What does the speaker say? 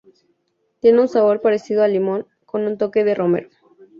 Tiene un sabor parecido al limón, con un toque de romero.